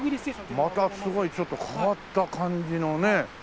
またすごいちょっと変わった感じのね。